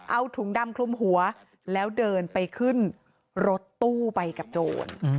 เอาถุงดำคลุมหัวแล้วเดินไปขึ้นรถตู้ไปกับโจร